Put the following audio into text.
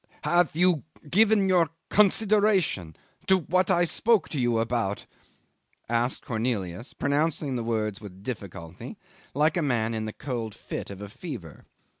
"Have you given your consideration to what I spoke to you about?" asked Cornelius, pronouncing the words with difficulty, like a man in the cold fit of a fever.